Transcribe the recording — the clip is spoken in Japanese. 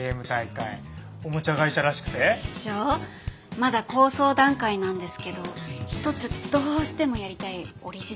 まだ構想段階なんですけど一つどうしてもやりたいオリジナルのアイデアがあって。